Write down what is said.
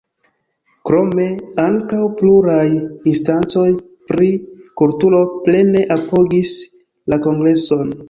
Krome, ankaŭ pluraj instancoj pri kulturo plene apogis la Kongreson.